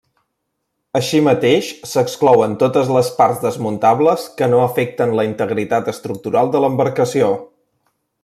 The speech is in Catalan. Així mateix, s'exclouen totes les parts desmuntables que no afecten la integritat estructural de l'embarcació.